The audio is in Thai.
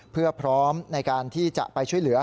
เพื่อพร้อมในการที่จะไปช่วยเหลือ